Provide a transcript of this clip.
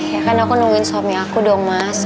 ya kan aku nungguin suami aku dong mas